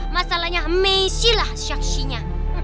masalahnya messi lah syaksinya